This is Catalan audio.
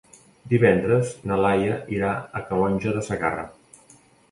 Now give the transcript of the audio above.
Divendres na Laia irà a Calonge de Segarra.